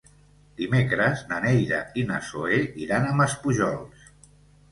Dimecres na Neida i na Zoè iran a Maspujols.